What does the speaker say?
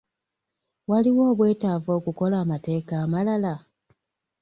Waliwo obwetaavu okukola amateeka amalala?